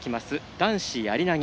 男子やり投げ